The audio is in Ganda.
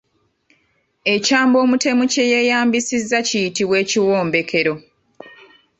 Ekyambe omutemu kye yeeyambisa kiyitibwa Ekiwombekero.